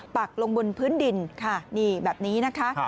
ปักลงบนพื้นดินค่ะนี่แบบนี้นะคะ